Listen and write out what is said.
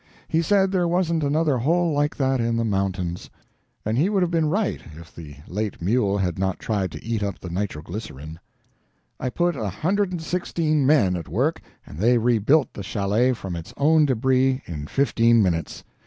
He said there wasn't another hole like that in the mountains and he would have been right if the late mule had not tried to eat up the nitroglycerin. I put a hundred and sixteen men at work, and they rebuilt the chalet from its own debris in fifteen minutes.